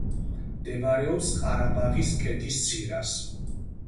მდებარეობს ყარაბაღის ქედის ძირას.